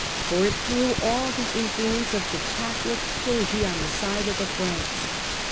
For it threw all the influence of the Catholic clergy on to the side of the Franks.